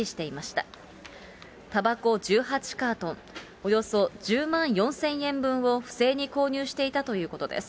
たばこ１８カートン、およそ１０万４０００円分を不正に購入していたということです。